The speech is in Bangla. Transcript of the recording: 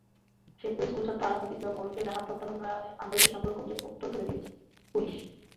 শেরপুরে স্কুলছাত্র আরাফাত ইসলাম ওরফে রাহাত হত্যা মামলায় আদালতে সম্পূরক অভিযোগপত্র দিয়েছে পুলিশ।